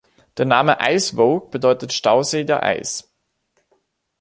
Der Name „Eiswoog“ bedeutet „Stausee der Eis“.